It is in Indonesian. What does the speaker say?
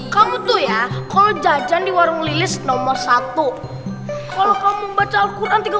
kamu tuh ya kalau jajan di warung lilis nomor satu kalau kamu baca alquran tiga puluh